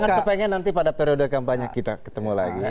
saya sangat kepengen nanti pada periode kampanye kita ketemu lagi